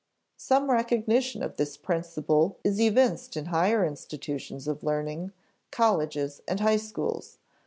Some recognition of this principle is evinced in higher institutions of learning, colleges and high schools.